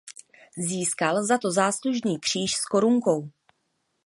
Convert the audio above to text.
Získal za to záslužný kříž s korunkou.